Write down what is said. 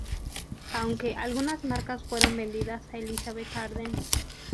Aunque, algunas marcas fueron vendidas a Elizabeth Arden.